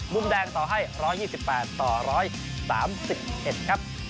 มุมแดงต่อให้๑๒๘ต่อ๑๓๑ครับ